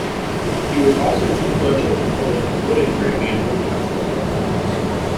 He was also an influential proponent of wood engraving and woodcuts as art forms.